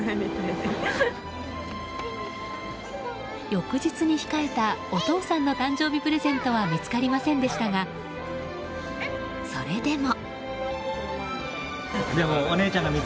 翌日に控えたお父さんの誕生日プレゼントは見つかりませんでしたがそれでも。